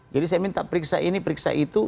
jadi saya minta periksa ini periksa itu